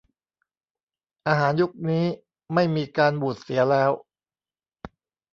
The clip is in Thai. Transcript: อาหารยุคนี้ไม่มีการบูดเสียแล้ว